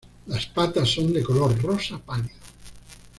Las patas son de color rosa pálido.